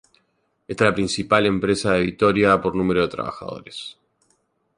Esta es la principal empresa de Vitoria por número de trabajadores.